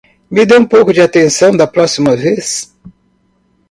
Me dê um pouco de atenção da próxima vez!